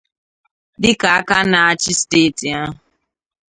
dịka aka na-achị steeti ahụ